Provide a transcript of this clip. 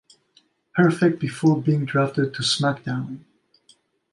Perfect before being drafted to SmackDown!